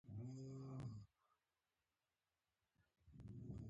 حبیب الرحمن او برهان الدین رباني یې وهڅول چې ژړاګانې سر کړي.